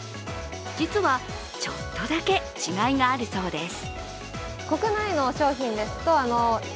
実は、ちょっとだけ違いがあるそうです。